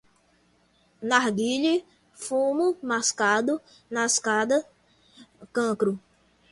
narguilé, fumo mascado, mascada, cancro